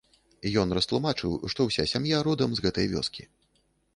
Ён растлумачыў, што ўся сям'я родам з гэтай вёскі.